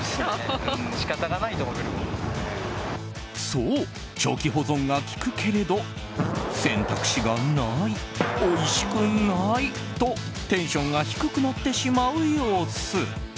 そう、長期保存が効くけれど選択肢がない、おいしくないとテンションが低くなってしまう様子。